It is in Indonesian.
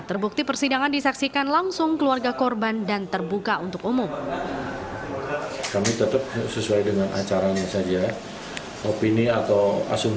terbukti persidangan disaksikan langsung keluarga korban dan terbuka untuk umum